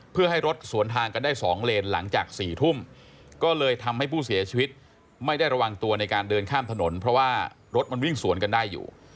เพื่อให้รถสวนทางกันได้๒เลนหลังจาก๔ทุ่มก็เลยทำให้ผู้เสียชีวิตไม่ได้ระวังตัวในการเดินข้ามถนนเพราะว่ารถมันวิ่งสวนกันได้อยู่